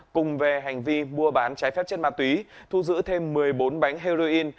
cùng về hành vi mua bán trái phép chất ma túy thu giữ thêm một mươi bốn bánh heroin